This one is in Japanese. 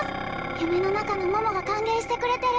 夢の中の桃が歓迎してくれてる